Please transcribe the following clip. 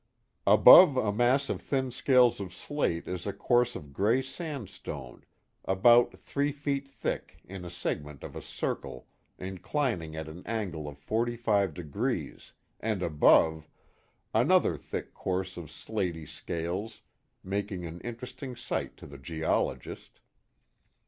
Above a mass of thin scales of slate is a course of gray sandstone about three feet thick in a segment of a circle inclining at an angle of forty five degrees, and above, another thick course of slaty scales, making an interesting sight to the geologist.